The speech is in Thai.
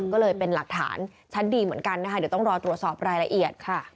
ก็เลยเป็นหลักฐานชั้นดีเหมือนกันนะคะเดี๋ยวต้องรอตรวจสอบรายละเอียดค่ะ